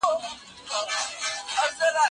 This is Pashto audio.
د مورنۍ ژبې پالل زموږ ملي دنده ده.